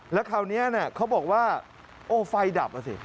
และเดือกว่าอ๋อไฟดับ